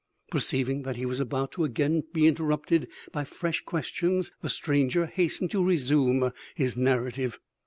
Perceiving that he was about to be again interrupted by fresh questions, the stranger hastened to resume his narrative.